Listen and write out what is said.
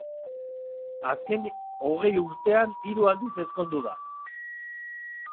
Azken hogei urtean hiru aldiz ezkondu da.